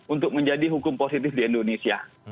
untuk menjadi hukum positif di indonesia